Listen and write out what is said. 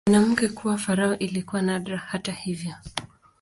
Mwanamke kuwa farao ilikuwa nadra, hata hivyo.